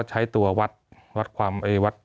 มีความรู้สึกว่ามีความรู้สึกว่า